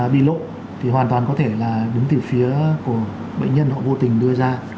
bị lộ thì hoàn toàn có thể là đứng từ phía của bệnh nhân họ vô tình đưa ra